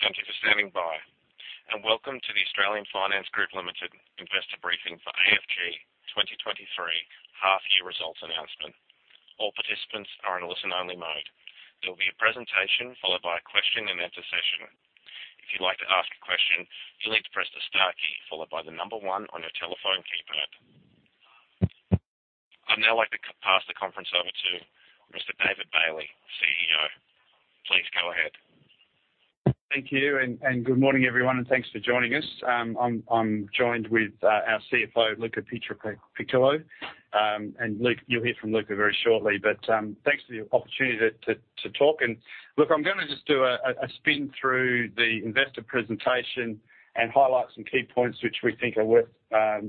Thank you for standing by, and welcome to the Australian Finance Group Limited investor briefing for AFG 2023 half year results announcement. All participants are in a listen only mode. There will be a presentation followed by a question and answer session. If you'd like to ask a question, you'll need to press the star key followed by the number one on your telephone keypad. I'd now like to pass the conference over to Mr. David Bailey, CEO. Please go ahead. Thank you. Good morning, everyone, and thanks for joining us. I'm joined with our CFO, Luca Pietropiccolo, and you'll hear from Luca very shortly. Thanks for the opportunity to talk. Look, I'm gonna just do a spin through the investor presentation and highlight some key points which we think are worth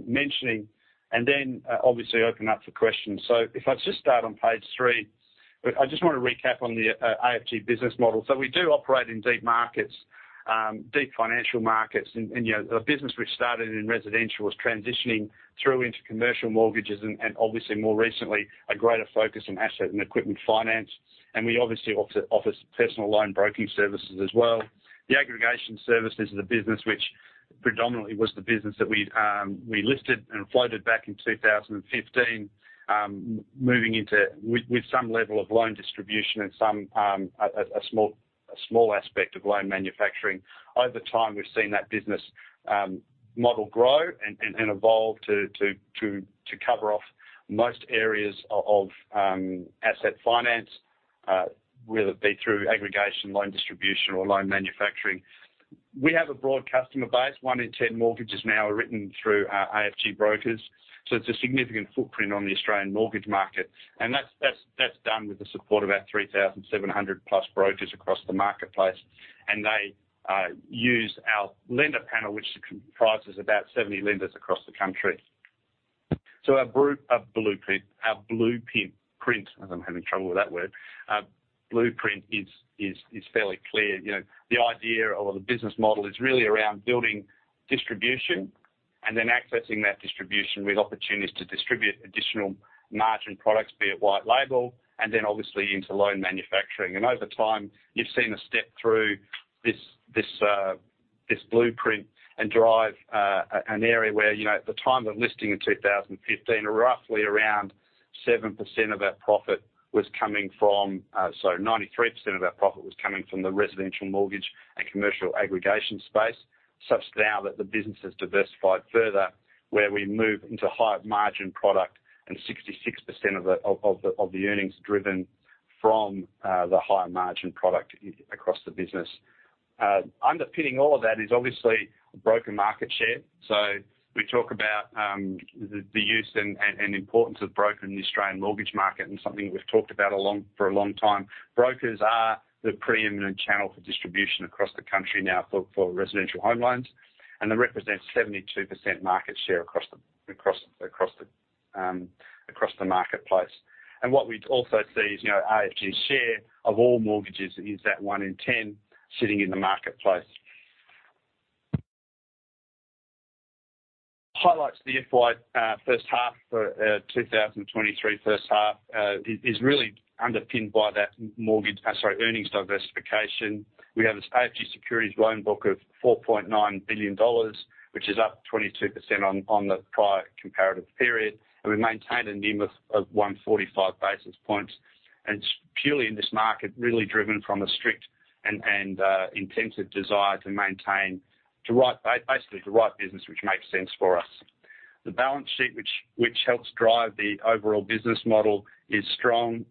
mentioning, and then obviously open up for questions. If I just start on page three, I just want to recap on the AFG business model. We do operate in deep markets, deep financial markets. You know, a business which started in residential is transitioning through into commercial mortgages and obviously more recently, a greater focus on asset and equipment finance. We obviously offers personal loan broking services as well. The aggregation services is a business which predominantly was the business that we'd, we listed and floated back in 2015, moving into with some level of loan distribution and some a small aspect of loan manufacturing. Over time, we've seen that business model grow and evolve to cover off most areas of asset finance, whether it be through aggregation, loan distribution, or loan manufacturing. We have a broad customer base. One in 10 mortgages now are written through our AFG brokers, it's a significant footprint on the Australian mortgage market. That's done with the support of our 3,700+ brokers across the marketplace. They use our lender panel, which comprises about 70 lenders across the country. Our blueprint, I'm having trouble with that word. Our blueprint is fairly clear. You know, the idea or the business model is really around building distribution and then accessing that distribution with opportunities to distribute additional margin products, be it white label, and then obviously into loan manufacturing. Over time, you've seen a step through this blueprint and drive an area where, you know, at the time of listing in 2015, roughly around 7% of our profit was coming from. 93% of our profit was coming from the residential mortgage and commercial aggregation space. Such now that the business has diversified further, where we move into higher margin product and 66% of the earnings driven from the higher margin product across the business. Underpinning all of that is obviously broker market share. We talk about the use and importance of brokers in the Australian mortgage market and something we've talked about for a long time. Brokers are the preeminent channel for distribution across the country now for residential home loans, and they represent 72% market share across the marketplace. What we'd also see is, you know, AFG share of all mortgages is that 1 in 10 sitting in the marketplace. Highlights the FY first half for 2023, first half, is really underpinned by that mortgage, sorry, earnings diversification. We have this AFG Securities loan book of 4.9 billion dollars, which is up 22% on the prior comparative period, and we've maintained a NIM of 145 basis points. Purely in this market, really driven from a strict and intensive desire to maintain to write, basically to write business, which makes sense for us. The balance sheet which helps drive the overall business model is strong.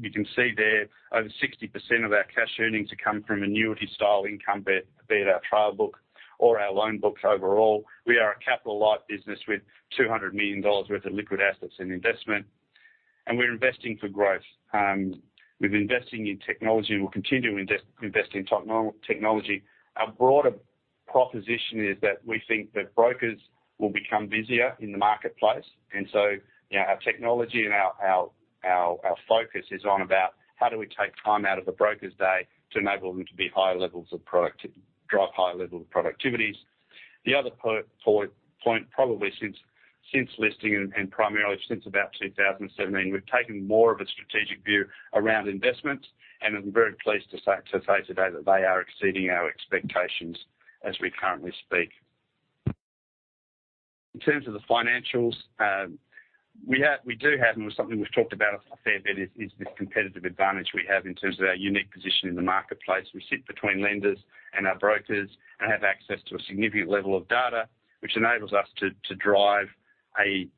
You can see there over 60% of our cash earnings are coming from annuity style income, be it our trial book or our loan books overall. We are a capital light business with 200 million dollars worth of liquid assets in investment, we're investing for growth. We're investing in technology, we'll continue to invest in technology. Our broader proposition is that we think that brokers will become busier in the marketplace. You know, our technology and our focus is on about how do we take time out of the broker's day to enable them to be drive higher levels of productivities. The other point probably since listing and primarily since about 2017, we've taken more of a strategic view around investments, and I'm very pleased to say today that they are exceeding our expectations as we currently speak. In terms of the financials, we do have, and it's something we've talked about a fair bit, is this competitive advantage we have in terms of our unique position in the marketplace. We sit between lenders and our brokers and have access to a significant level of data, which enables us to drive a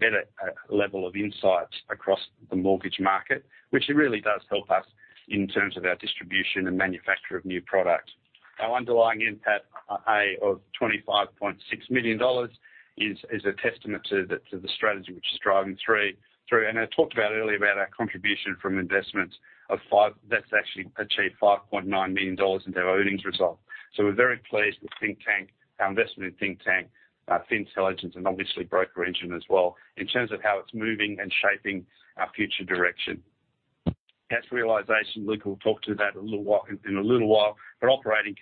better level of insights across the mortgage market, which it really does help us in terms of our distribution and manufacture of new product. Our underlying NPAT A of 25.6 million dollars is a testament to the strategy which is driving through. I talked about earlier about our contribution from investments that's actually achieved 5.9 million dollars into our earnings result. We're very pleased with Thinktank, our investment in Thinktank, Fintelligence, and obviously BrokerEngine as well in terms of how it's moving and shaping our future direction. Cash realization, Luca will talk to that in a little while. Operating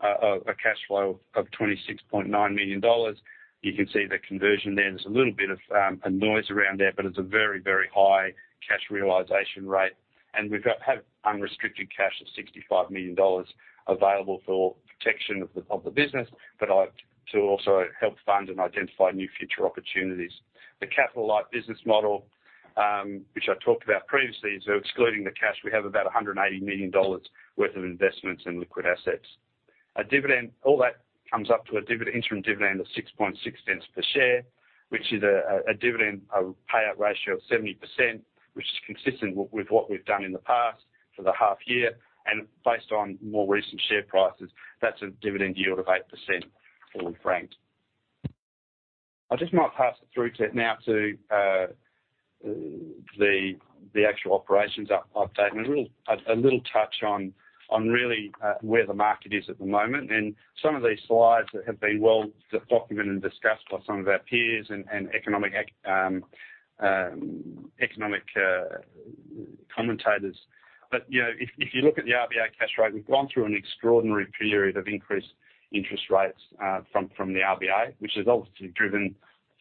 a cash flow of 26.9 million dollars. You can see the conversion there. There's a little bit of noise around there, but it's a very, very high cash realization rate. We have unrestricted cash of 65 million dollars available for protection of the business, to also help fund and identify new future opportunities. The capital light business model, which I talked about previously, so excluding the cash, we have about 180 million dollars worth of investments in liquid assets. All that comes up to interim dividend of 0.066 per share, which is a dividend payout ratio of 70%, which is consistent with what we've done in the past for the half year. Based on more recent share prices, that's a dividend yield of 8% fully franked. I just might pass it through now to the actual operations update and a little touch on really where the market is at the moment. Some of these slides that have been well documented and discussed by some of our peers and economic commentators. You know, if you look at the RBA cash rate, we've gone through an extraordinary period of increased interest rates from the RBA, which has obviously driven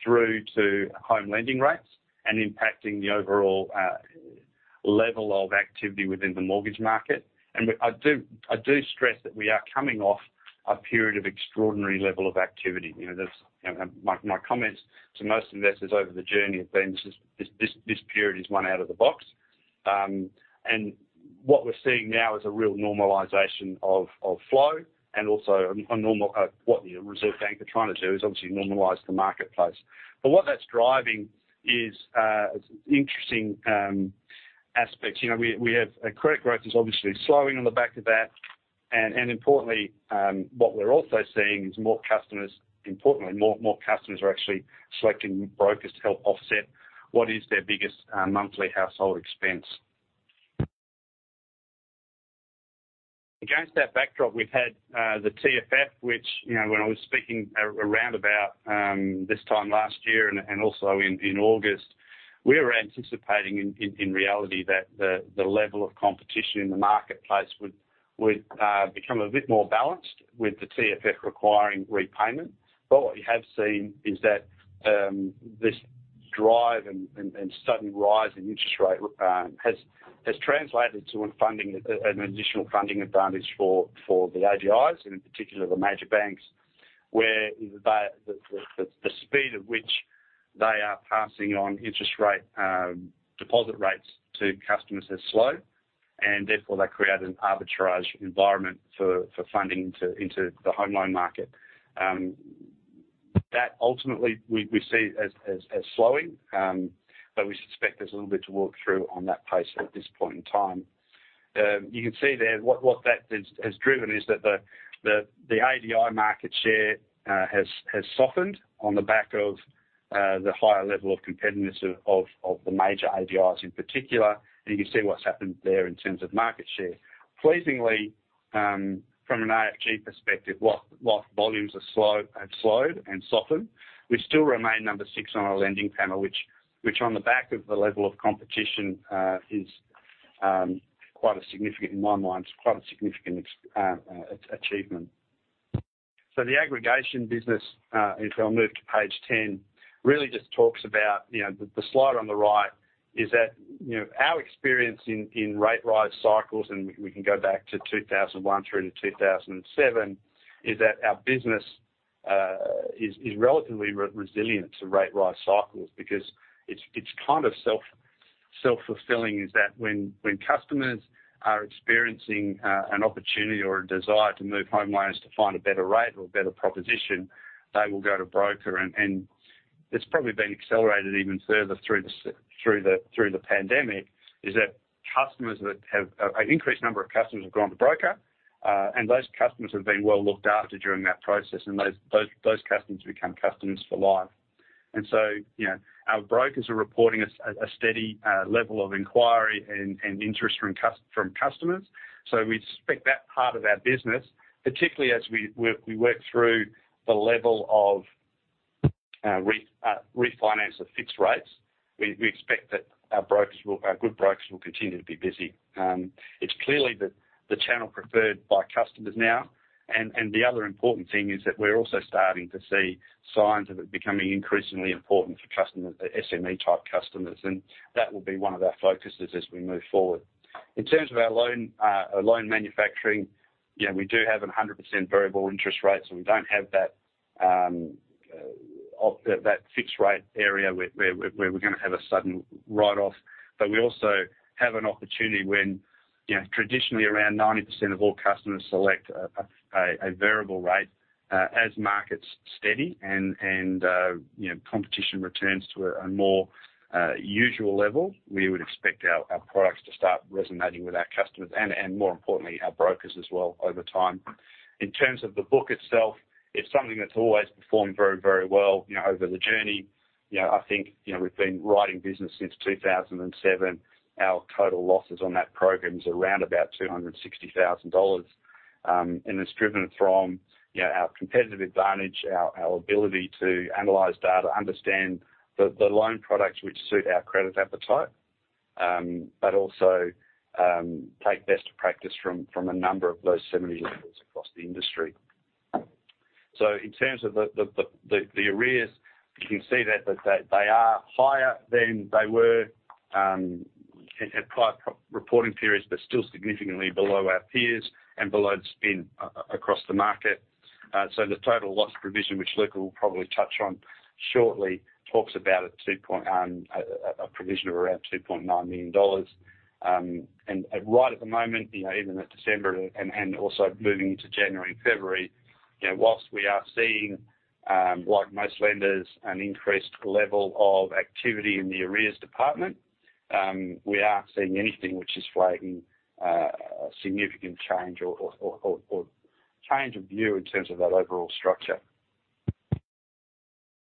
through to home lending rates and impacting the overall level of activity within the mortgage market. I do stress that we are coming off a period of extraordinary level of activity. You know, that's... My comments to most investors over the journey have been this period is one out of the box. What we're seeing now is a real normalization of flow and also a normal what the Reserve Bank are trying to do is obviously normalize the marketplace. What that's driving is interesting aspects. You know we have a credit growth is obviously slowing on the back of that. Importantly, what we're also seeing is more customers, importantly, more customers are actually selecting brokers to help offset what is their biggest monthly household expense. Against that backdrop, we've had the TFF, which, you know, when I was speaking around about this time last year and also in August, we were anticipating in reality that the level of competition in the marketplace would become a bit more balanced with the TFF requiring repayment. What we have seen is that this drive and sudden rise in interest rate has translated to funding an additional funding advantage for the ADIs and in particular the major banks, where the speed at which they are passing on interest rate deposit rates to customers are slow, and therefore that created an arbitrage environment for funding into the home loan market. That ultimately we see as slowing, we suspect there's a little bit to work through on that pace at this point in time. You can see there what that has driven is that the ADI market share has softened on the back of the higher level of competitiveness of the major ADIs in particular. You can see what's happened there in terms of market share. Pleasingly, from an AFG perspective, whilst volumes have slowed and softened, we still remain number six on our lending panel, which on the back of the level of competition is quite a significant achievement. The aggregation business, if I move to page 10, really just talks about, you know, the slide on the right is that, you know, our experience in rate rise cycles, and we can go back to 2001 through to 2007, is that our business is relatively resilient to rate rise cycles because it's kind of self-fulfilling is that when customers are experiencing an opportunity or a desire to move home loans to find a better rate or a better proposition, they will go to broker. It's probably been accelerated even further through the pandemic, is that customers that have an increased number of customers have gone to broker, and those customers have been well looked after during that process, and those customers become customers for life. You know, our brokers are reporting a steady level of inquiry and interest from customers. We expect that part of our business, particularly as we work through the level of refinance of fixed rates, we expect that our good brokers will continue to be busy. It's clearly the channel preferred by customers now. The other important thing is that we're also starting to see signs of it becoming increasingly important for customers, SME type customers, and that will be one of our focuses as we move forward. In terms of our loan manufacturing, you know, we do have 100% variable interest rates, and we don't have that fixed rate area where we're gonna have a sudden write-off. We also have an opportunity when, you know, traditionally around 90% of all customers select a variable rate, as markets steady and, you know, competition returns to a more usual level, we would expect our products to start resonating with our customers and more importantly, our brokers as well over time. In terms of the book itself, it's something that's always performed very, very well, you know, over the journey. You know, I think, you know, we've been writing business since 2007. Our total losses on that program is around about 260,000 dollars. It's driven from, you know, our competitive advantage, our ability to analyze data, understand the loan products which suit our credit appetite, but also, take best practice from a number of those similarly levels across the industry. In terms of the arrears, you can see that they are higher than they were at prior reporting periods, but still significantly below our peers and below the spin across the market. The total loss provision, which Luca Pietropiccolo will probably touch on shortly, talks about a two-point provision of around 2.9 million dollars. Right at the moment, you know, even at December and also moving into January and February, you know, whilst we are seeing, like most lenders, an increased level of activity in the arrears department, we aren't seeing anything which is flag a significant change or change of view in terms of that overall structure.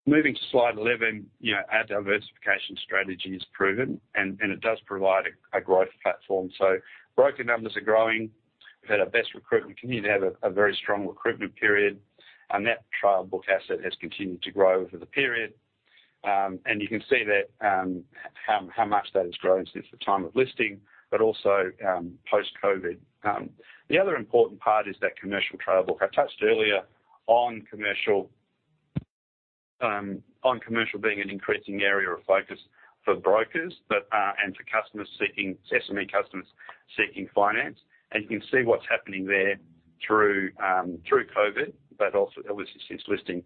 Moving to slide 11, you know, our diversification strategy is proven and it does provide a growth platform. Broker numbers are growing. We've had our best recruitment continue to have a very strong recruitment period. Our net trail book asset has continued to grow over the period. You can see that how much that has grown since the time of listing, but also post-COVID. The other important part is that commercial trail book. I touched earlier on commercial on commercial being an increasing area of focus for brokers, but and for SME customers seeking finance. You can see what's happening there through through COVID, but also obviously since listing.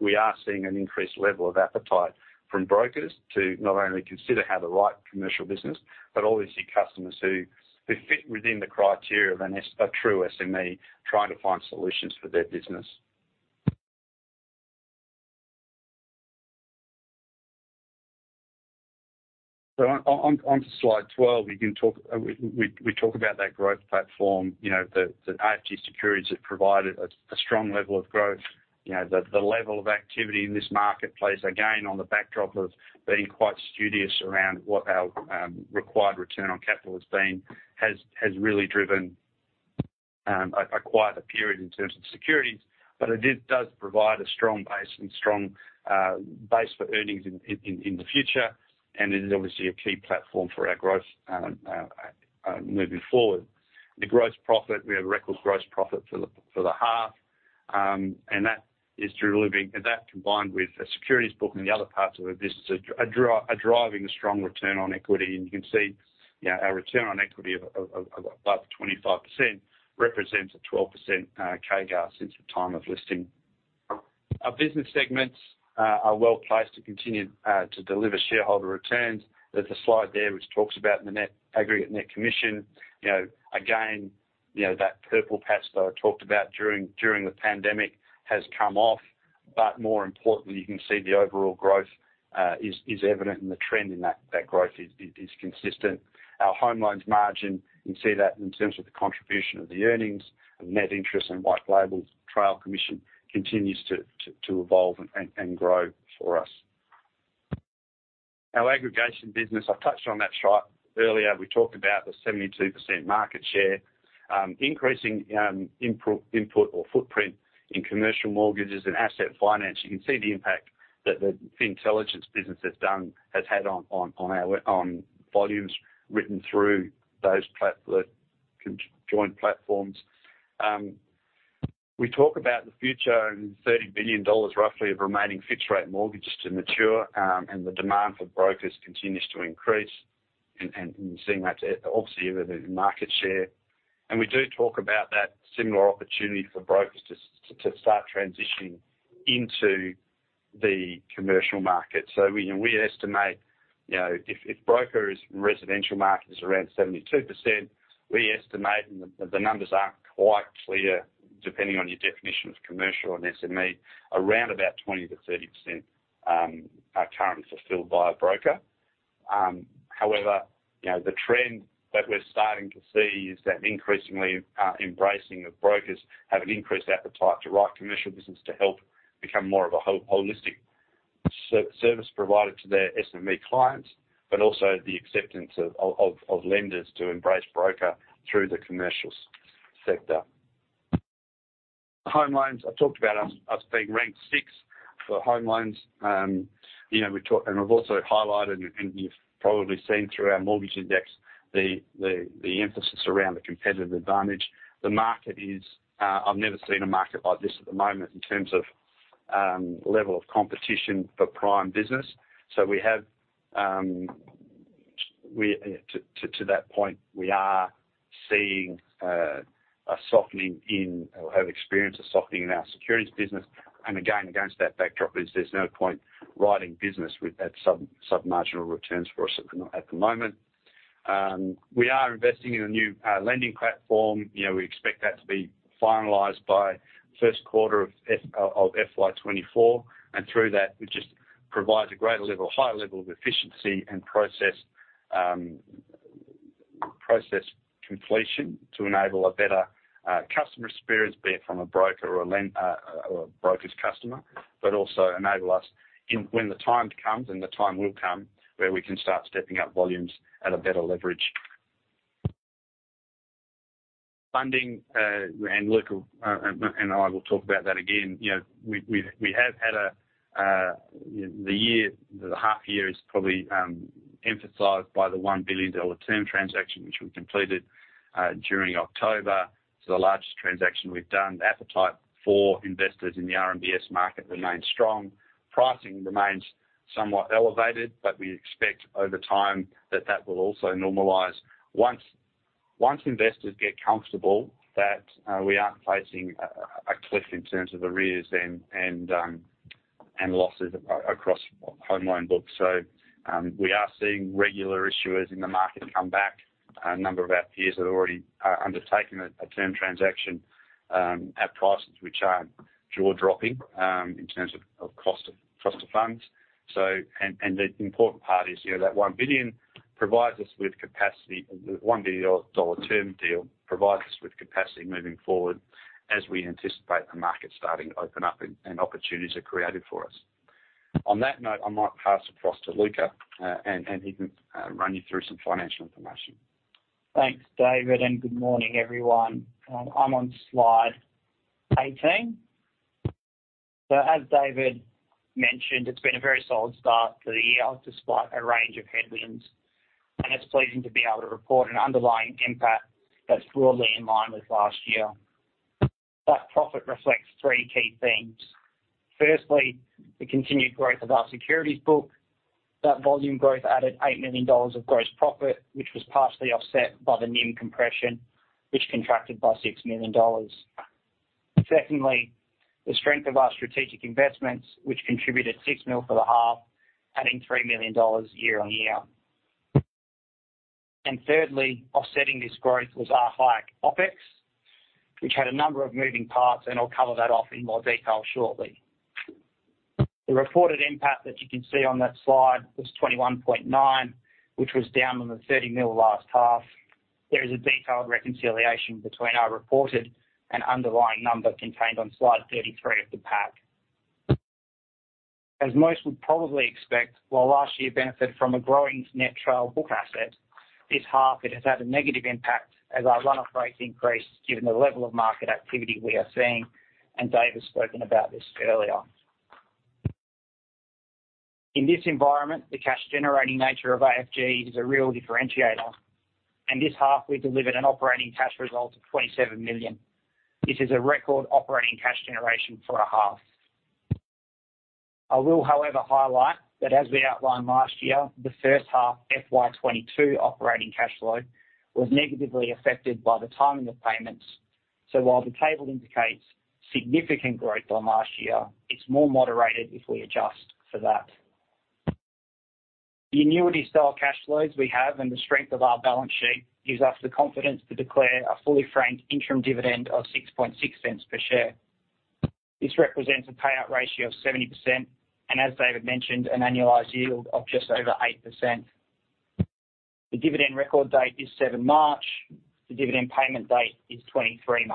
We are seeing an increased level of appetite from brokers to not only consider how to write commercial business, but obviously customers who fit within the criteria of a true SME, trying to find solutions for their business. On slide 12, we talk about that growth platform, you know, AFG Securities have provided a strong level of growth. You know, the level of activity in this marketplace, again, on the backdrop of being quite studious around what our required return on capital has been, has really driven a quite a period in terms of securities. It does provide a strong base and strong base for earnings in the future. It is obviously a key platform for our growth moving forward. The gross profit, we have a record gross profit for the half. That combined with a securities book and the other parts of the business are driving a strong return on equity. You can see, you know, our return on equity of above 25% represents a 12% CAGR since the time of listing. Our business segments are well placed to continue to deliver shareholder returns. There's a slide there which talks about the net, aggregate net commission. You know, again, you know, that purple patch that I talked about during the pandemic has come off. More importantly, you can see the overall growth is evident and the trend in that growth is consistent. Our home loans margin, you can see that in terms of the contribution of the earnings. Net interest and white label trail commission continues to evolve and grow for us. Our aggregation business, I've touched on that slide earlier. We talked about the 72% market share increasing input or footprint in commercial mortgages and asset finance. You can see the impact that the Fintelligence business has had on our, on volumes written through those joint platforms. We talk about the future and 30 billion dollars roughly of remaining fixed rate mortgages to mature, and the demand for brokers continues to increase and seeing that obviously with the market share. We do talk about that similar opportunity for brokers to start transitioning into the commercial market. We estimate, you know, if broker is residential market is around 72%, we estimate, and the numbers aren't quite clear depending on your definition of commercial and SME, around about 20%-30% are currently fulfilled by a broker. However, you know, the trend that we're starting to see is that increasingly, embracing of brokers have an increased appetite to write commercial business to help become more of a holistic service provider to their SME clients, but also the acceptance of lenders to embrace broker through the commercial sector. Home loans, I talked about us being ranked six for home loans. You know, we talk. I've also highlighted, and you've probably seen through our mortgage index the emphasis around the competitive advantage. The market is, I've never seen a market like this at the moment in terms of level of competition for prime business. We have, we, to that point, we are seeing a softening in or have experienced a softening in our securities business. Again, against that backdrop is there's no point writing business with at sub-submarginal returns for us at the moment. We are investing in a new lending platform. You know, we expect that to be finalized by first quarter of FY 2024. Through that, it just provides a greater level, higher level of efficiency and process completion to enable a better customer experience, be it from a broker or a lend or a broker's customer, but also enable us in, when the time comes, and the time will come, where we can start stepping up volumes at a better leverage, Funding, and look, and I will talk about that again. You know, We have had a, the half year is probably emphasized by the $1 billion term transaction which we completed during October. The largest transaction we've done. Appetite for investors in the RMBS market remains strong. Pricing remains somewhat elevated, we expect over time that that will also normalize once investors get comfortable that we aren't facing a cliff in terms of arrears and losses across home loan books. We are seeing regular issuers in the market come back. A number of our peers have already undertaken a term transaction at prices which aren't jaw-dropping in terms of cost of funds. The important part is, you know, that $1 billion provides us with capacity. The 1 billion dollar term deal provides us with capacity moving forward as we anticipate the market starting to open up and opportunities are created for us. On that note, I might pass across to Luca and he can run you through some financial information. Thanks, David, and good morning, everyone. I'm on slide 18. As David mentioned, it's been a very solid start to the year despite a range of headwinds, and it's pleasing to be able to report an underlying NPAT that's broadly in line with last year. That profit reflects three key themes. Firstly, the continued growth of our securities book. That volume growth added 8 million dollars of gross profit, which was partially offset by the NIM compression, which contracted by 6 million dollars. Secondly, the strength of our strategic investments, which contributed 6 million for the half, adding 3 million dollars year-over-year. Thirdly, offsetting this growth was our high OpEx, which had a number of moving parts, and I'll cover that off in more detail shortly. The reported NPAT that you can see on that slide was 21.9 million, which was down from the 30 million last half. There is a detailed reconciliation between our reported and underlying number contained on slide 33 of the pack. As most would probably expect, while last year benefited from a growing net trail book asset, this half it has had a negative impact as our run-off rate increased given the level of market activity we are seeing. David's spoken about this earlier. In this environment, the cash generating nature of AFG is a real differentiator. This half we delivered an operating cash result of 27 million. This is a record operating cash generation for a half. I will, however, highlight that as we outlined last year, the first half FY 2022 operating cash flow was negatively affected by the timing of payments. While the table indicates significant growth on last year, it's more moderated if we adjust for that. The annuity style cash flows we have and the strength of our balance sheet gives us the confidence to declare a fully franked interim dividend of 0.066 per share. This represents a payout ratio of 70% and, as David mentioned, an annualized yield of just over 8%. The dividend record date is March 7th. The dividend payment date is March 23.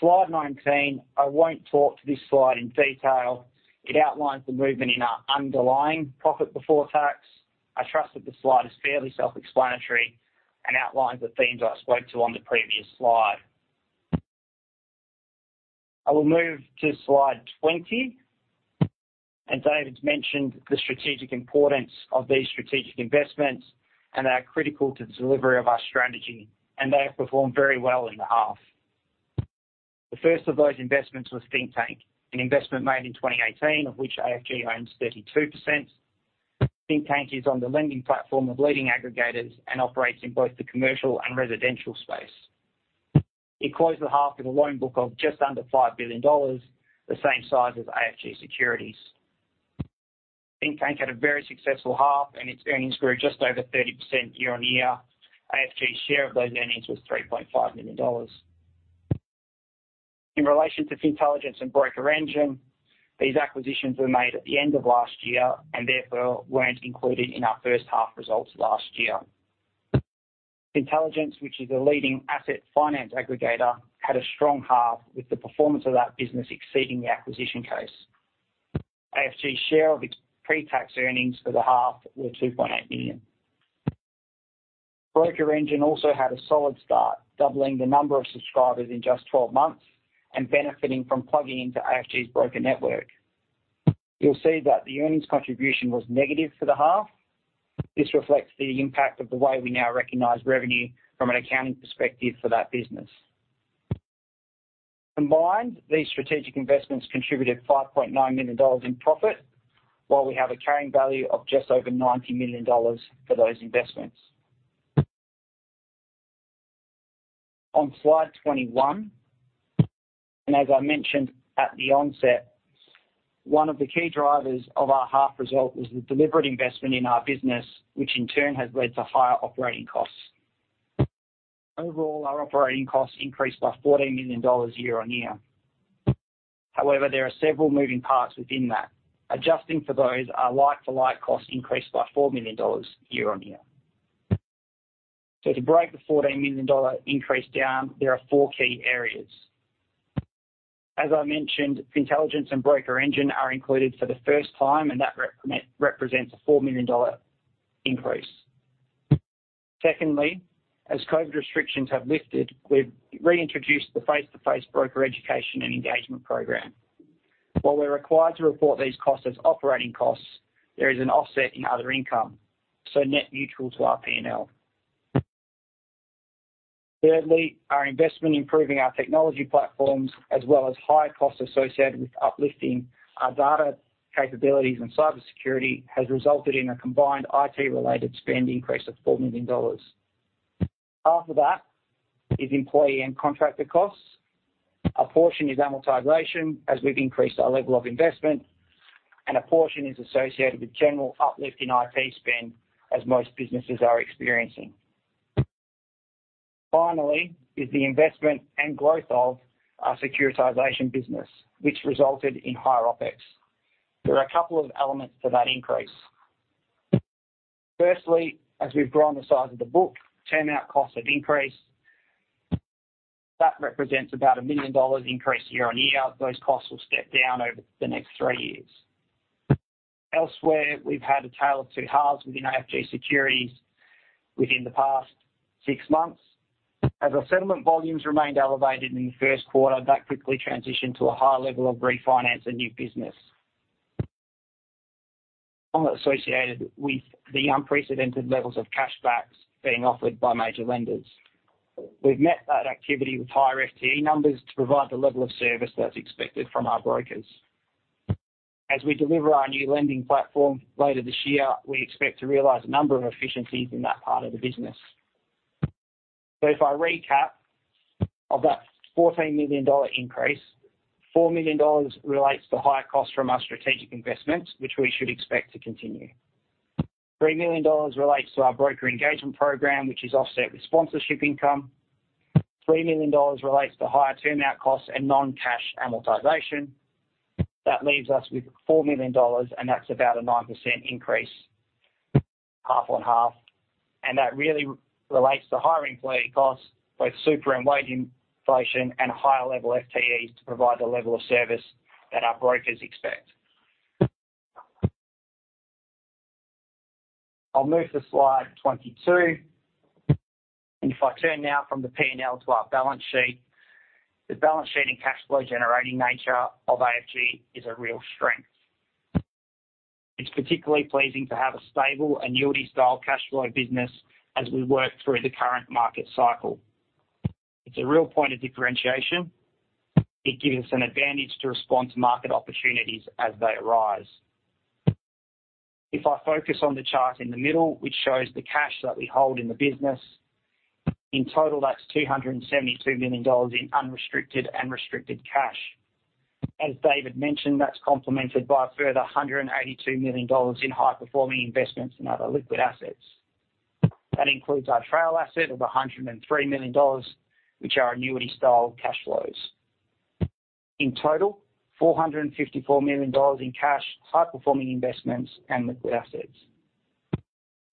Slide 19. I won't talk to this slide in detail. It outlines the movement in our underlying profit before tax. I trust that the slide is fairly self-explanatory and outlines the themes I spoke to on the previous slide. I will move to slide 20. David's mentioned the strategic importance of these strategic investments and they are critical to the delivery of our strategy, and they have performed very well in the half. The first of those investments was Thinktank, an investment made in 2018, of which AFG owns 32%. Thinktank is on the lending platform of leading aggregators and operates in both the commercial and residential space. It closed the half with a loan book of just under $5 billion, the same size as AFG Securities. Thinktank had a very successful half, and its earnings grew just over 30% year-on-year. AFG's share of those earnings was $3.5 million. In relation to Fintelligence and BrokerEngine, these acquisitions were made at the end of last year and therefore weren't included in our first half results last year. Fintelligence, which is a leading asset finance aggregator, had a strong half, with the performance of that business exceeding the acquisition case. AFG's share of its pre-tax earnings for the half were 2.8 million. BrokerEngine also had a solid start, doubling the number of subscribers in just 12 months and benefiting from plugging into AFG's broker network. You'll see that the earnings contribution was negative for the half. This reflects the impact of the way we now recognize revenue from an accounting perspective for that business. Combined, these strategic investments contributed 5.9 million dollars in profit, while we have a carrying value of just over 90 million dollars for those investments. On slide 21, as I mentioned at the onset, one of the key drivers of our half result was the deliberate investment in our business, which in turn has led to higher operating costs. Overall, our operating costs increased by 14 million dollars year-on-year. There are several moving parts within that. Adjusting for those, our like-for-like costs increased by 4 million dollars year-on-year. To break the 14 million dollar increase down, there are four key areas. As I mentioned, Fintelligence and BrokerEngine are included for the first time, and that represents a 4 million dollar increase. Secondly, as COVID restrictions have lifted, we've reintroduced the face-to-face broker education and engagement program. While we're required to report these costs as operating costs, there is an offset in other income, so net mutual to our P&L. Thirdly, our investment in improving our technology platforms as well as higher costs associated with uplifting our data capabilities and cybersecurity, has resulted in a combined IT-related spend increase of 4 million dollars. Half of that is employee and contractor costs. A portion is amortization, as we've increased our level of investment, and a portion is associated with general uplift in IT spend, as most businesses are experiencing. Finally is the investment and growth of our securitization business, which resulted in higher OpEx. There are a couple of elements to that increase. Firstly, as we've grown the size of the book, turn out costs have increased. That represents about an 1 million dollars increase year-on-year. Those costs will step down over the next three years. Elsewhere, we've had a tale of two halves within AFG Securities within the past six months. As our settlement volumes remained elevated in the first quarter, that quickly transitioned to a higher level of refinance and new business. Associated with the unprecedented levels of cashbacks being offered by major lenders. We've met that activity with higher FTE numbers to provide the level of service that's expected from our brokers. As we deliver our new lending platform later this year, we expect to realize a number of efficiencies in that part of the business. If I recap, of that AUD 14 million increase, AUD 4 million relates to higher costs from our strategic investments, which we should expect to continue. AUD 3 million relates to our broker engagement program, which is offset with sponsorship income. AUD 3 million relates to higher turnout costs and non-cash amortization. That leaves us with 4 million dollars, that's about a 9% increase half-on-half. That really relates to higher employee costs, both super and wage inflation, and higher level FTEs to provide the level of service that our brokers expect. I'll move to slide 22. If I turn now from the P&L to our balance sheet. The balance sheet and cash flow-generating nature of AFG is a real strength. It's particularly pleasing to have a stable annuity-style cash flow business as we work through the current market cycle. It's a real point of differentiation. It gives us an advantage to respond to market opportunities as they arise. If I focus on the chart in the middle, which shows the cash that we hold in the business. In total, that's 272 million dollars in unrestricted and restricted cash. As David mentioned, that's complemented by a further 182 million dollars in high-performing investments and other liquid assets. That includes our trail asset of 103 million dollars, which are annuity-style cash flows. In total, 454 million dollars in cash, high-performing investments, and liquid assets.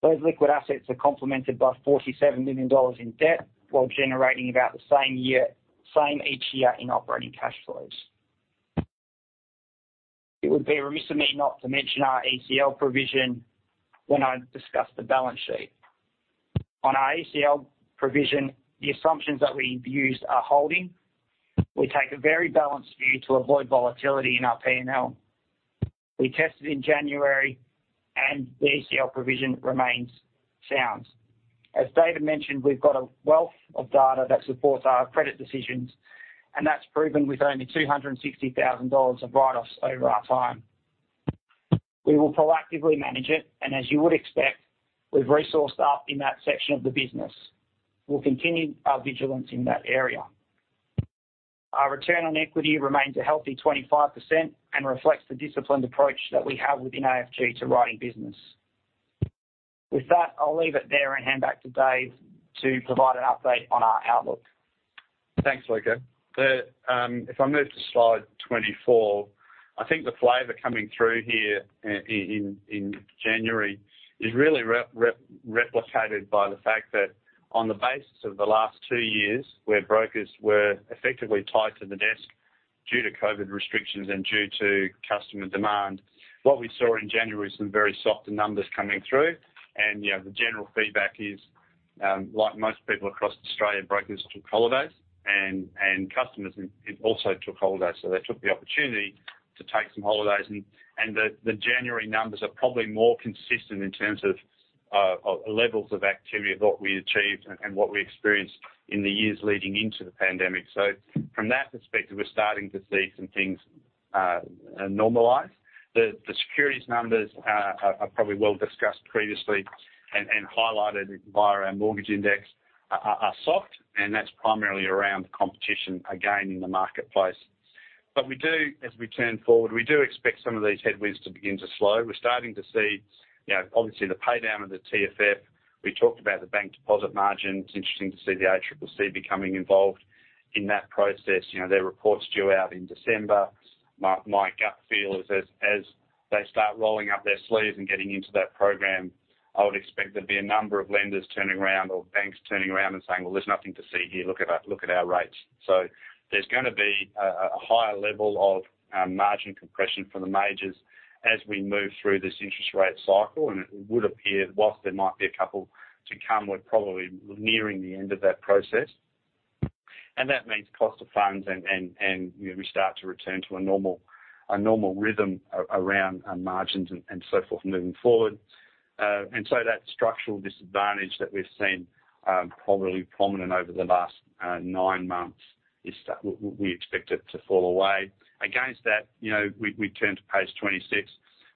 Those liquid assets are complemented by AUD 47 million in debt while generating about the same each year in operating cash flows. It would be a remiss of me not to mention our ACL provision when I discuss the balance sheet. On our ACL provision, the assumptions that we've used are holding. We take a very balanced view to avoid volatility in our P&L. We tested in January and the ACL provision remains sound. As David mentioned, we've got a wealth of data that supports our credit decisions, and that's proven with only 260,000 dollars of write-offs over our time. We will proactively manage it, and as you would expect, we've resourced up in that section of the business. We'll continue our vigilance in that area. Our return on equity remains a healthy 25% and reflects the disciplined approach that we have within AFG to writing business. With that, I'll leave it there and hand back to Dave to provide an update on our outlook. Thanks, Luca. If I move to slide 24, I think the flavor coming through here in January is really replicated by the fact that on the basis of the last two years, where brokers were effectively tied to the desk due to COVID restrictions and due to customer demand, what we saw in January was some very softer numbers coming through. You know, the general feedback is, like most people across Australia, brokers took holidays and customers also took holidays. They took the opportunity to take some holidays. The January numbers are probably more consistent in terms of levels of activity of what we achieved and what we experienced in the years leading into the pandemic. From that perspective, we're starting to see some things normalize. The securities numbers are probably well discussed previously and highlighted via our mortgage index are soft. That's primarily around the competition, again, in the marketplace. We do, as we turn forward, we do expect some of these headwinds to begin to slow. We're starting to see, you know, obviously the pay down of the TFF. We talked about the bank deposit margin. It's interesting to see the ACCC becoming involved in that process. You know, their report's due out in December. My gut feel is as they start rolling up their sleeves and getting into that program I would expect there'd be a number of lenders turning around or banks turning around and saying, "Well, there's nothing to see here. Look at our rates. There's gonna be a higher level of margin compression for the majors as we move through this interest rate cycle. It would appear, whilst there might be a couple to come, we're probably nearing the end of that process. That means cost of funds, you know, we start to return to a normal rhythm around margins and so forth moving forward. That structural disadvantage that we've seen, probably prominent over the last nine months, we expect it to fall away. Against that, you know, we turn to page 26.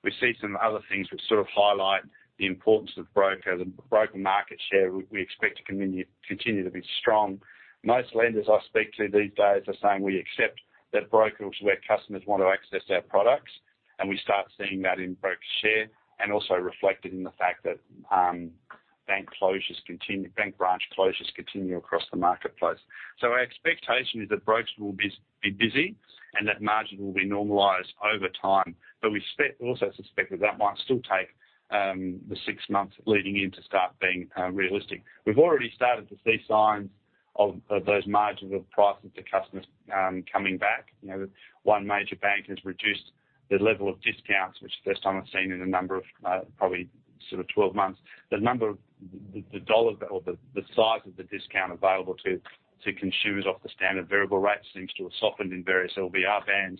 We see some other things which sort of highlight the importance of brokers. Broker market share, we expect to continue to be strong. Most lenders I speak to these days are saying, "We accept that brokers are where customers want to access our products." We start seeing that in broker share and also reflected in the fact that bank closures continue, bank branch closures continue across the marketplace. Our expectation is that brokers will be busy, and that margin will be normalized over time. We suspect, also suspect that might still take the six months leading in to start being realistic. We've already started to see signs of those margins of prices to customers coming back. You know, one major bank has reduced the level of discounts, which is the first time I've seen in a number of, probably sort of 12 months. The number of the dollar or the size of the discount available to consumers off the standard variable rate seems to have softened in various LVR bands.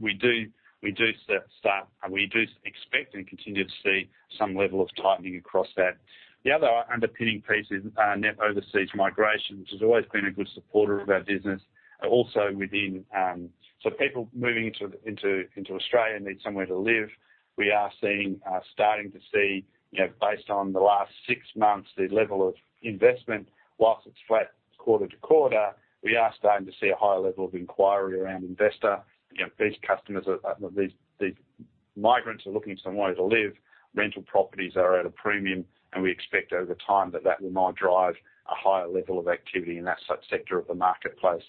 We do expect and continue to see some level of tightening across that. The other underpinning piece is net overseas migration, which has always been a good supporter of our business. Also within, people moving to Australia need somewhere to live. We are seeing, starting to see, you know, based on the last six months, the level of investment, whilst it's flat quarter-to-quarter, we are starting to see a higher level of inquiry around investor. You know, these customers are, these migrants are looking somewhere to live, rental properties are at a premium, and we expect over time that that will now drive a higher level of activity in that sub-sector of the marketplace.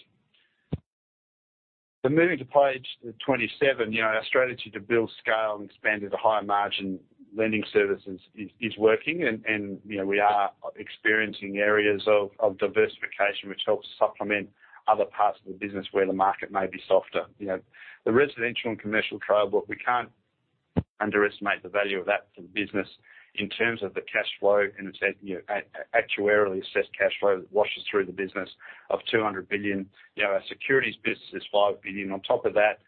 Moving to page 27, you know, our strategy to build scale and expand into higher margin lending services is working and, you know, we are experiencing areas of diversification, which helps supplement other parts of the business where the market may be softer. You know, the residential and commercial trial book, we can't underestimate the value of that to the business in terms of the cash flow and it's at, you know, actuarially assessed cash flow that washes through the business of 200 billion. You know, our securities business is 5 billion. On top of that,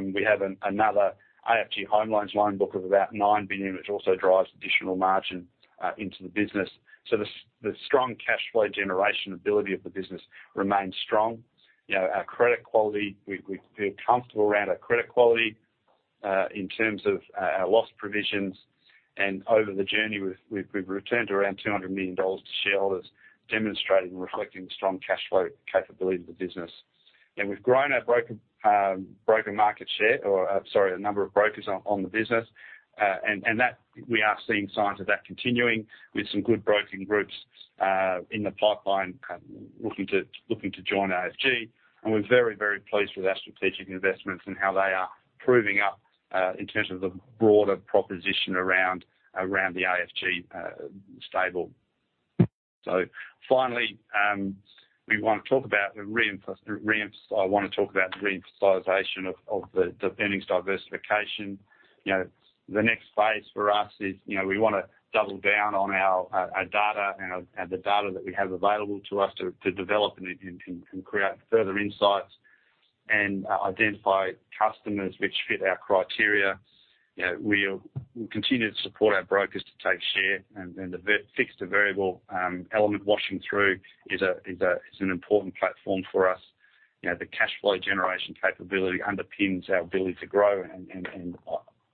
we have another AFG Home Loans loan book of about 9 billion, which also drives additional margin into the business. The strong cash flow generation ability of the business remains strong. You know, our credit quality, we feel comfortable around our credit quality in terms of our loss provisions. Over the journey, we've returned around 200 million dollars to shareholders, demonstrating and reflecting the strong cash flow capability of the business. We've grown our broker broker market share, or sorry, the number of brokers on the business. That we are seeing signs of that continuing with some good broking groups in the pipeline looking to join AFG. We're very, very pleased with our strategic investments and how they are proving up in terms of the broader proposition around the AFG stable. Finally, we want to talk about the re-emphasization of the earnings diversification. You know, the next phase for us is, you know, we wanna double down on our data and the data that we have available to us to develop and create further insights and identify customers which fit our criteria. You know, we continue to support our brokers to take share, the fixed to variable element washing through is an important platform for us. You know, the cash flow generation capability underpins our ability to grow and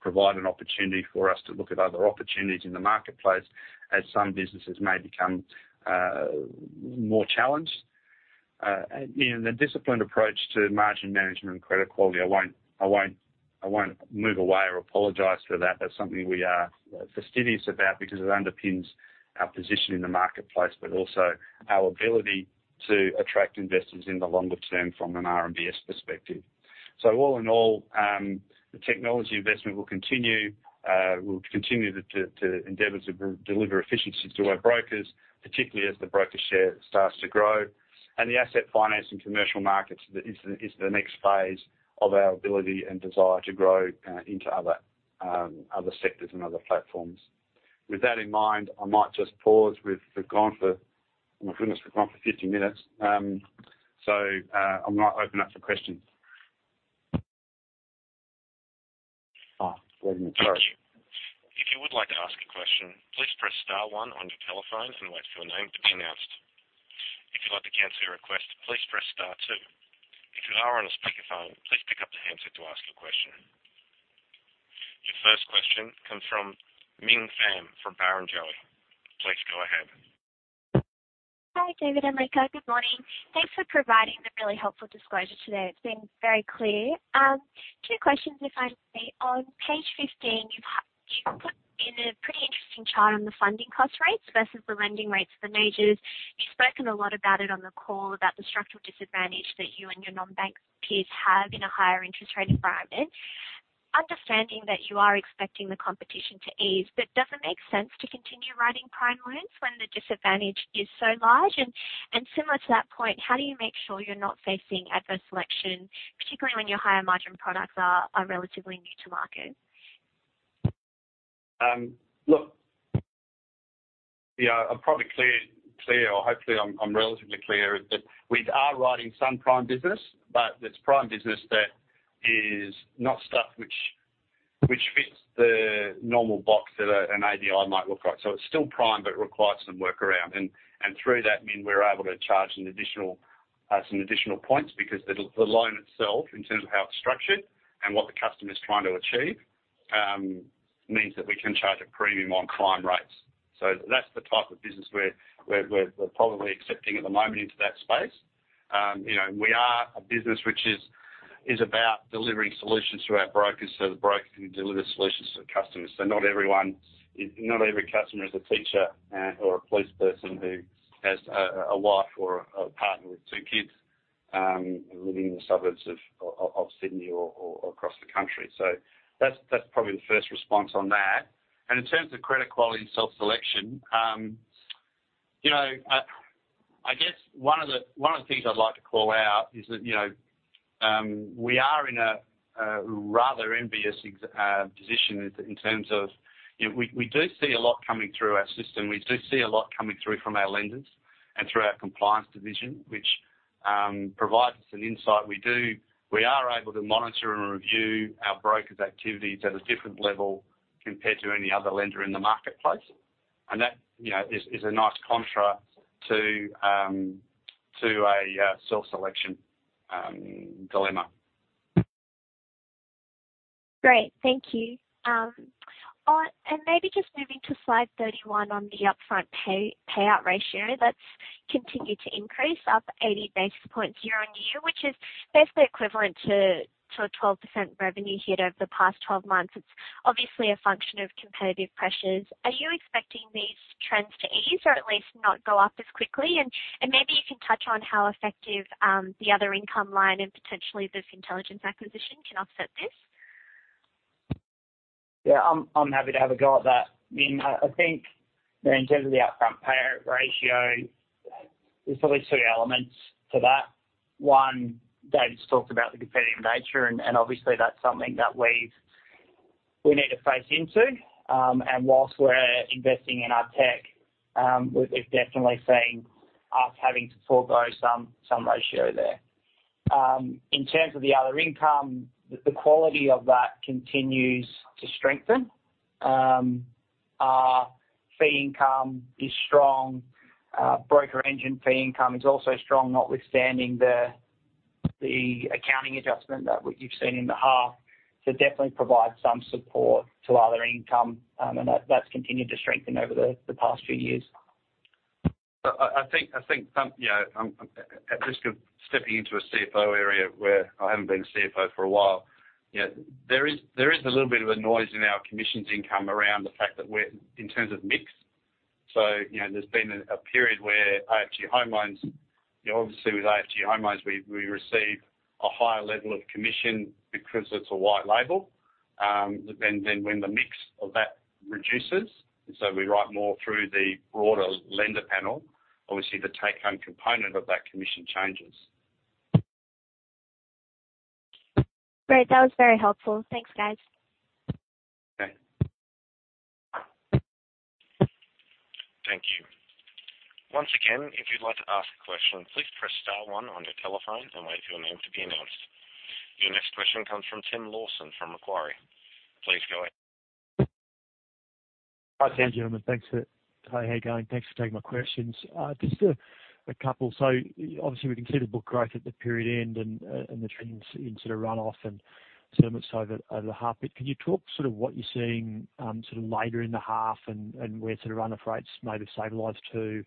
provide an opportunity for us to look at other opportunities in the marketplace as some businesses may become more challenged. You know, the disciplined approach to margin management and credit quality, I won't move away or apologize for that. That's something we are fastidious about because it underpins our position in the marketplace, but also our ability to attract investors in the longer term from an RMBS perspective. All in all, the technology investment will continue, we'll continue to endeavor to de-deliver efficiency to our brokers, particularly as the broker share starts to grow. The asset finance and commercial markets is the next phase of our ability and desire to grow into other sectors and other platforms. With that in mind, I might just pause. We've gone for. Oh, my goodness, we've gone for 50 minutes. I'm gonna open up for questions. Go ahead. Sorry. If you would like to ask a question, please press star one on your telephone and wait for your name to be announced. If you'd like to cancel your request, please press star two. If you are on a speakerphone, please pick up the handset to ask your question. Your first question comes from Ming Fan from Barrenjoey. Please go ahead. Hi, David and Luca. Good morning. Thanks for providing the really helpful disclosure today. It's been very clear. Two questions if I may. On page 15, you've put in a pretty interesting chart on the funding cost rates versus the lending rates for majors. You've spoken a lot about it on the call about the structural disadvantage that you and your non-bank peers have in a higher interest rate environment. Understanding that you are expecting the competition to ease, does it make sense to continue writing prime loans when the disadvantage is so large? Similar to that point, how do you make sure you're not facing adverse selection, particularly when your higher margin products are relatively new to market? Look, yeah, I'm probably clear, or hopefully I'm relatively clear that we are writing some prime business, but it's prime business that is not stuff which fits the normal box that a, an ADI might look like. It's still prime, but it requires some workaround. Through that, Ming, we're able to charge an additional, some additional points because the loan itself, in terms of how it's structured and what the customer is trying to achieve, means that we can charge a premium on prime rates. That's the type of business we're probably accepting at the moment into that space. You know, we are a business which is about delivering solutions through our brokers so the broker can deliver solutions to the customers. Not everyone... Not every customer is a teacher, or a police person who has a wife or a partner with two kids, living in the suburbs of Sydney or across the country. That's probably the first response on that. In terms of credit quality and self-selection, you know, I guess one of the things I'd like to call out is that, you know, we are in a rather envious position in terms of, you know, we do see a lot coming through our system. We do see a lot coming through from our lenders and through our compliance division, which provides us an insight. We are able to monitor and review our brokers' activities at a different level compared to any other lender in the marketplace. That, you know, is a nice contrast to a self-selection dilemma. Great. Thank you. Maybe just moving to slide 31 on the upfront payout ratio that's continued to increase up 80 basis points year-on-year, which is basically equivalent to a 12% revenue hit over the past 12 months. It's obviously a function of competitive pressures. Are you expecting these trends to ease or at least not go up as quickly? Maybe you can touch on how effective the other income line and potentially this Fintelligence acquisition can offset this. Yeah, I'm happy to have a go at that. Ming, I think that in terms of the upfront payout ratio, there's probably two elements to that. One, Dave's talked about the competitive nature, and obviously that's something that we need to face into. Whilst we're investing in our tech, we've definitely seen us having to forego some ratio there. In terms of the other income, the quality of that continues to strengthen. Our fee income is strong. BrokerEngine fee income is also strong, notwithstanding the accounting adjustment that you've seen in the half to definitely provide some support to other income. That's continued to strengthen over the past few years. I think some, you know, at risk of stepping into a CFO area where I haven't been a CFO for a while. You know, there is a little bit of a noise in our commissions income around the fact that we're in terms of mix. You know, there's been a period where AFG Home Loans, you know, obviously with AFG Home Loans, we receive a higher level of commission because it's a white label. When the mix of that reduces, and so we write more through the broader lender panel, obviously the take home component of that commission changes. Great. That was very helpful. Thanks, guys. Okay. Thank you. Once again, if you'd like to ask a question, please press star one on your telephone and wait for your name to be announced. Your next question comes from Tim Lawson from Macquarie. Please go ahead. Hi, thanks, gentlemen. Thanks for. Hey, how you going? Thanks for taking my questions. Just a couple. Obviously we can see the book growth at the period end and the trends in sort of run off and settlements over the half bit. Can you talk sort of what you're seeing, sort of later in the half and where sort of run off rates may have stabilized to,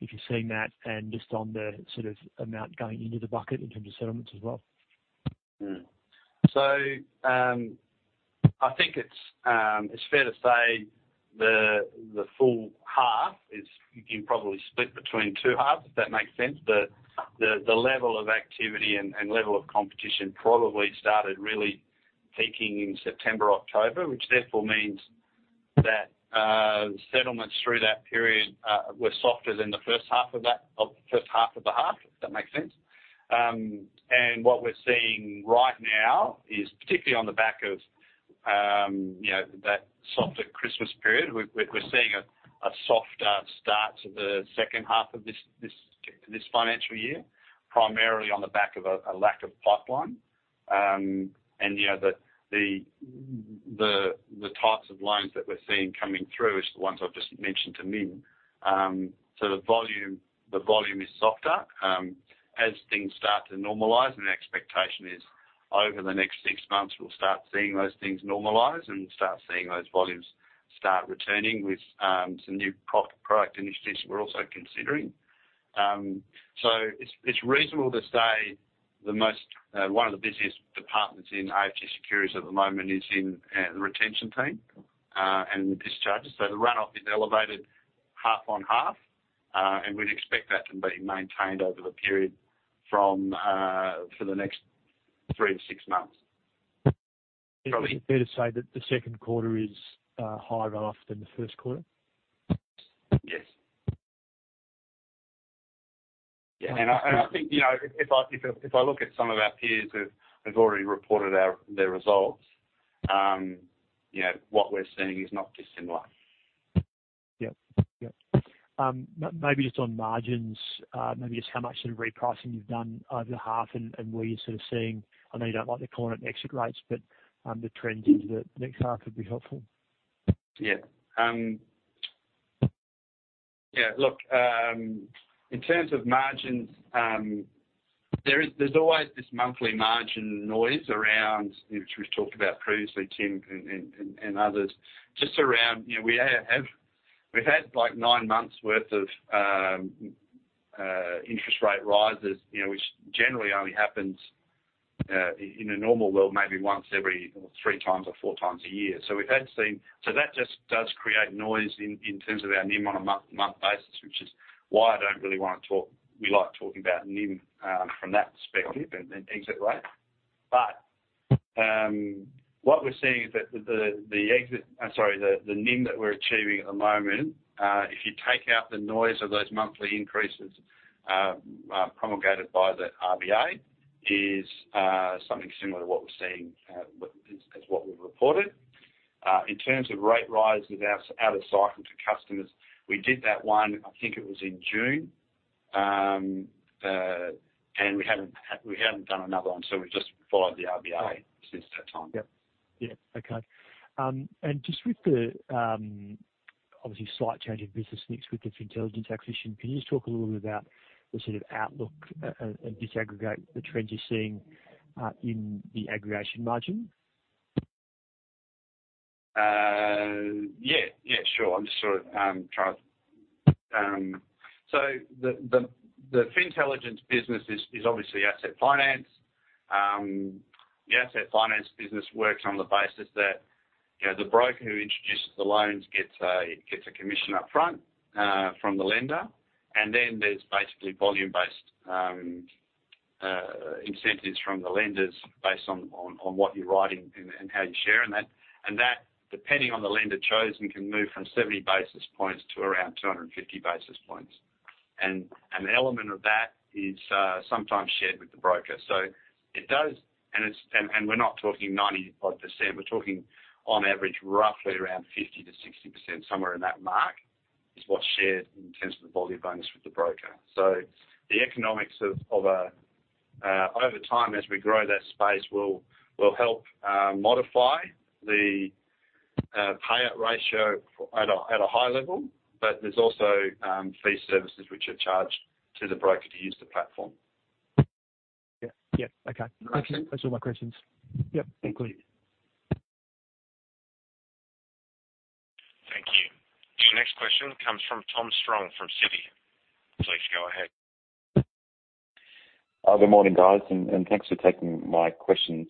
if you're seeing that, and just on the sort of amount going into the bucket in terms of settlements as well? I think it's fair to say the full half is. You can probably split between two halves, if that makes sense. The level of activity and level of competition probably started really peaking in September, October, which therefore means that settlements through that period were softer than the first half of the first half of the half, if that makes sense. What we're seeing right now is particularly on the back of, you know, that softer Christmas period. We're seeing a softer start to the second half of this financial year, primarily on the back of a lack of pipeline. You know, the types of loans that we're seeing coming through is the ones I've just mentioned to Ming. The volume is softer as things start to normalize, and the expectation is over the next six months, we'll start seeing those things normalize and start seeing those volumes start returning with some new product initiatives we're also considering. It's reasonable to say the most, one of the busiest departments in AFG Securities at the moment is in the retention team and discharges. The run-off is elevated half-on-half. We'd expect that to be maintained over the period from for the next three to six months. Is it fair to say that the second quarter is higher run-off than the first quarter? Yes. I think, you know, if I look at some of our peers who have already reported out their results, you know, what we're seeing is not dissimilar. Yep. Yep. Maybe just on margins, maybe just how much sort of repricing you've done over the half and where you're sort of seeing. I know you don't like to call it exit rates, but the trends into the next half would be helpful. Yeah, look, in terms of margins, there's always this monthly margin noise around, which we've talked about previously, Tim and others, just around, you know, we've had like nine months worth of interest rate rises, you know, which generally only happens in a normal world, maybe once every or three times or four times a year. That just does create noise in terms of our NIM on a month-to-month basis, which is why I don't really want to talk. We like talking about NIM from that perspective and exit rate. What we're seeing is that the exit... I'm sorry, the NIM that we're achieving at the moment, if you take out the noise of those monthly increases, promulgated by the RBA, is something similar to what we're seeing, with, as what we've reported. In terms of rate rises out of cycle to customers, we did that one, I think it was in June. We hadn't done another one. We've just followed the RBA since that time. Yep. Yeah. Okay. Just with the, obviously slight change in business mix with the Fintelligence acquisition, can you just talk a little bit about the sort of outlook and disaggregate the trends you're seeing, in the aggregation margin? Yeah, yeah, sure. The Fintelligence business is obviously asset finance. The asset finance business works on the basis that, you know, the broker who introduces the loans gets a commission up front from the lender, and then there's basically volume-based incentives from the lenders based on what you're writing and how you share in that. That, depending on the lender chosen, can move from 70 basis points to around 250 basis points. An element of that is sometimes shared with the broker. It does, and it's, and we're not talking 90 odd percent, we're talking on average, roughly around 50%-60%, somewhere in that mark is what's shared in terms of the volume bonus with the broker. The economics of a over time, as we grow that space will help modify the payout ratio at a high level. There's also fee services which are charged to the broker to use the platform. Yeah. Yeah. Okay. All right. That's all my questions. Yep. Thank you. Thank you. The next question comes from Tom Strong, from Citi. Please go ahead. Good morning, guys, and thanks for taking my questions.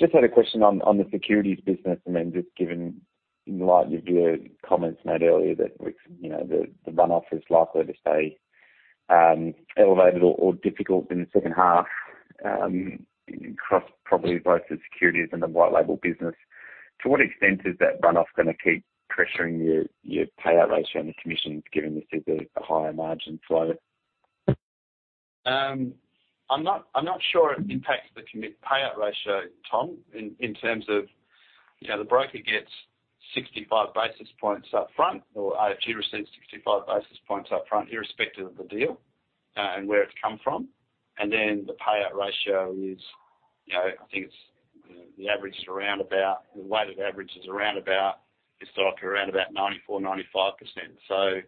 Just had a question on the securities business. I mean, just given in light of your comments made earlier that, you know, the run-off is likely to stay elevated or difficult in the second half across probably both the securities and the white label business. To what extent is that run-off gonna keep pressuring your payout ratio and the commissions given this is a higher margin flow? I'm not sure it impacts the commit payout ratio, Tom, in terms of... You know, the broker gets 65 basis points up front, or AFG receives 65 basis points up front irrespective of the deal, and where it's come from. The payout ratio is, you know, I think it's, the average is around about, the weighted average is around about, historically around about 94%, 95%.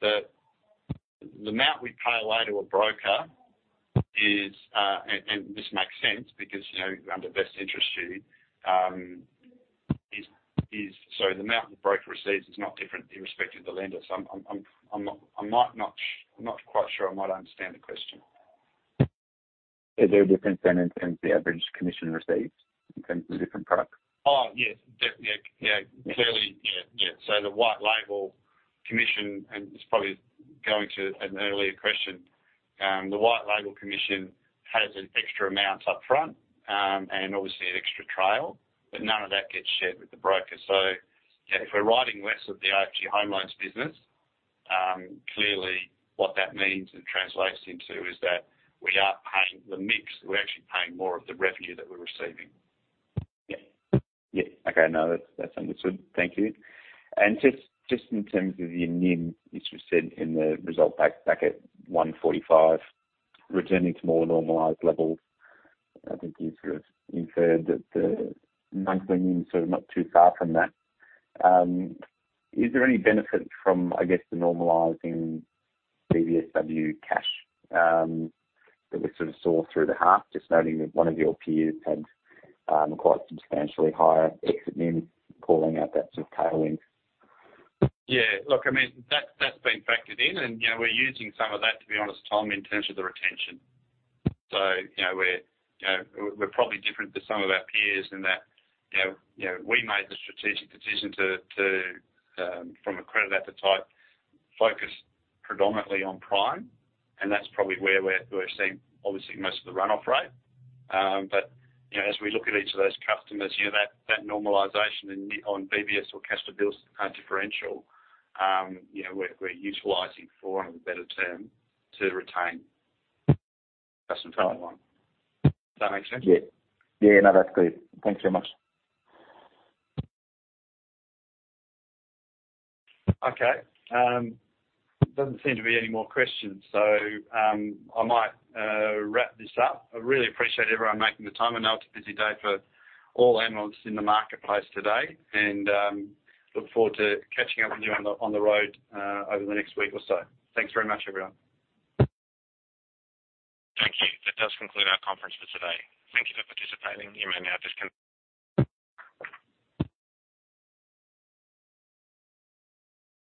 The amount we pay out to a broker is, and this makes sense because, you know, under best interests duty, is... The amount the broker receives is not different irrespective of the lender. I'm not quite sure I might understand the question. Is there a difference in terms of the average commission received in terms of the different products? Oh, yes. Yeah, yeah. Clearly, yeah. The white label commission, and this probably going to an earlier question, has an extra amount up front, and obviously an extra trail, none of that gets shared with the broker. You know, if we're writing less of the AFG Home Loans business, clearly what that means and translates into is that we are paying the mix. We're actually paying more of the revenue that we're receiving. Yeah. Yeah. Okay. No, that's understood. Thank you. Just in terms of the NIM, as you said in the result pack back at 1.45%, returning to more normalized levels. I think you sort of inferred that the monthly NIM is sort of not too far from that. Is there any benefit from, I guess, the normalizing BBSW cash that we sort of saw through the half, just noting that one of your peers had quite substantially higher exit NIM calling out that sort of tailwind. Yeah. Look, I mean, that's been factored in and, you know, we're using some of that, to be honest, Tom, in terms of the retention. you know, we're probably different to some of our peers in that, you know, we made the strategic decision to from a credit appetite focus predominantly on prime, and that's probably where we're seeing obviously most of the run-off rate. you know, as we look at each of those customers, you know, that normalization on BBS or cash to bills differential, you know, we're utilizing for, want of a better term, to retain customer timeline. Does that make sense? Yeah. Yeah, no, that's clear. Thanks very much. Okay. doesn't seem to be any more questions, so, I might wrap this up. I really appreciate everyone making the time. I know it's a busy day for all analysts in the marketplace today, and, look forward to catching up with you on the, on the road, over the next week or so. Thanks very much, everyone. Thank you. That does conclude our conference for today. Thank you for participating. You may now disconnect.